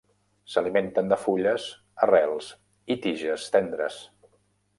S'alimenten de fulles, arrels i tiges tendres.